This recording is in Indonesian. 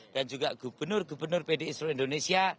dan juga gubernur gubernur pdi seluruh indonesia